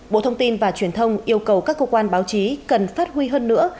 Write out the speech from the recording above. bộ thông tin và truyền thông yêu cầu các cơ quan báo chí cần phát huy hơn nữa